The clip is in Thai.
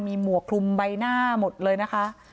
มีหมวกคลุมใบหน้าหมดเลยนะคะ